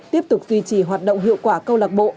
tiếp tục duy trì hoạt động hiệu quả câu lạc bộ